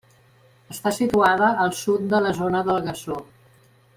Està situada al sud de la zona del Gassó.